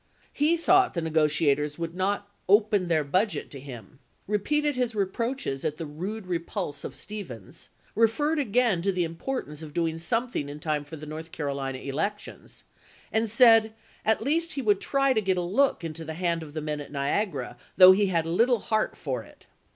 He thought the negotiators would not "open their budget" to him; repeated his reproaches at the "rude repulse" of Stephens; referred again to the importance of doing some thing in time for the North Carolina elections ; and said at least he would try to get a look into the hand of the men at Niagara, though he had " little heart ms for it."